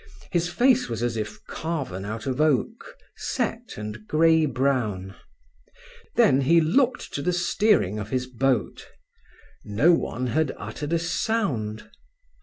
His face was as if carven out of oak, set and grey brown. Then he looked to the steering of his boat. No one had uttered a sound.